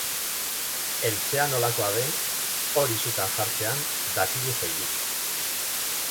Eltzea nolakoa den, hori sutan jartzean dakigu soilik!